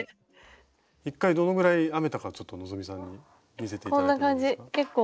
一回どのぐらい編めたかちょっと希さん見せて頂いてもいいですか？